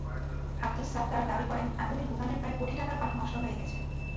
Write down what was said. আবদুস সাত্তার দাবি করেন, আগুনে গুদামের প্রায় কোটি টাকার পাট নষ্ট হয়ে গেছে।